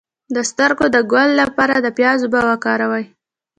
د سترګو د ګل لپاره د پیاز اوبه وکاروئ